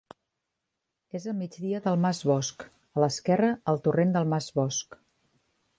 És a migdia del Mas Bosc, a l'esquerra el torrent del Mas Bosc.